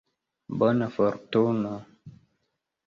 Bona fortuno.